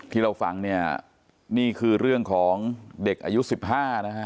ที่เราฟังเนี่ยนี่คือเรื่องของเด็กอายุ๑๕นะฮะ